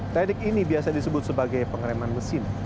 teknik ini biasa disebut sebagai pengereman mesin